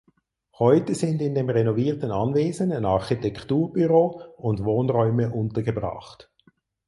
Heute sind in dem renovierten Anwesen ein Architekturbüro und Wohnräume untergebracht.